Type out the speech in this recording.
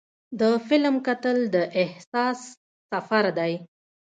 د فلم کتل د احساس سفر دی.